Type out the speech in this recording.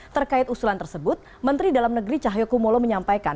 terkait usulan tersebut menteri dalam negeri cahayu kumolo menyampaikan